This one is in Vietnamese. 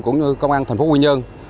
cũng như công an thành phố quy nhơn